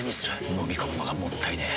のみ込むのがもったいねえ。